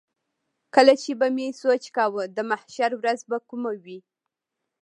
کله چې به مې سوچ کاوه د محشر ورځ به کومه وي.